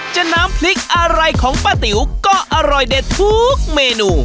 น้ำพริกอะไรของป้าติ๋วก็อร่อยเด็ดทุกเมนู